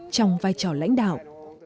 trong vai trò lãnh đạo